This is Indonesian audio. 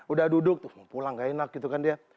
udah duduk tuh pulang gak enak gitu kan dia